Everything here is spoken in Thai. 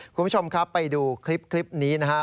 คุณผู้ชมครับไปดูคลิปนี้นะครับ